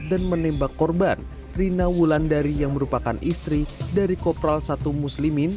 dan menembak korban rina wulandari yang merupakan istri dari kopral satu muslimin